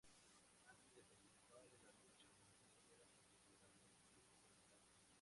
Antes de participar en la lucha profesional, era profesora en su ciudad natal.